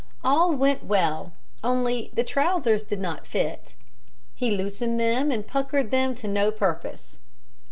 All went well, only the trousers did not fit. He loosened them and puckered them to no purpose.